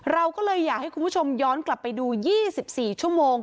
เราก็เลยอยากให้คุณผู้ชมย้อนกลับไปดู๒๔ชั่วโมง